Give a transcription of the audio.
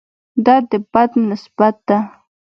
دا د بد نسبت ده.